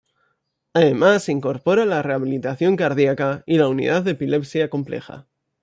Además se incorpora la Rehabilitación Cardíaca y la Unidad de Epilepsia Compleja.